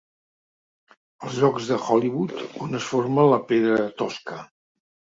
Els llocs de Hollywood on es forma la pedra tosca.